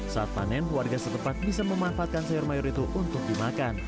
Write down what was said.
saat panen warga setempat bisa memanfaatkan sayur mayur itu untuk dimakan